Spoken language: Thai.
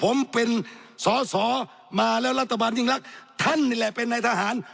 ผมเป็นสอสอมาแล้วรัฐบาลยิ่งรักท่านนี่แหละเป็นนายทหาร